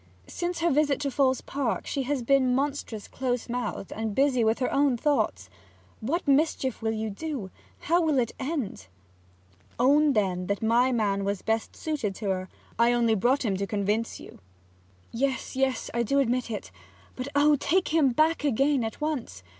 Since her visit to Falls Park she has been monstrous close mouthed and busy with her own thoughts. What mischief will you do? How will it end?' 'Own, then, that my man was best suited to her. I only brought him to convince you.' 'Yes, yes; I do admit it. But oh! do take him back again at once!